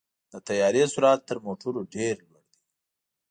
د طیارې سرعت تر موټرو ډېر لوړ وي.